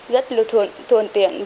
rất là thuần tiện